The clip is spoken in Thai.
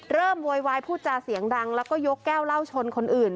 โวยวายพูดจาเสียงดังแล้วก็ยกแก้วเหล้าชนคนอื่น